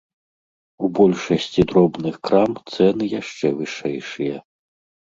У большасці дробных крам цэны яшчэ вышэйшыя.